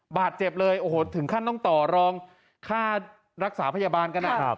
บาดเจ็บเลยถึงขั้นนกต่อรองค่ารักษาพยาบาลกันอ่ะ